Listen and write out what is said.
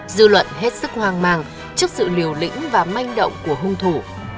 dư luận hết sức hoang mang trước sự liều lĩnh và manh động của hung thủ